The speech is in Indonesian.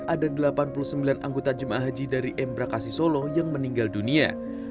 ada delapan puluh sembilan anggota jemaah haji dari embrakasi solo yang meninggal dunia